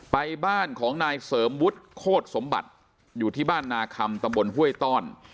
บ้านของนายเสริมวุฒิโคตรสมบัติอยู่ที่บ้านนาคำตำบลห้วยต้อน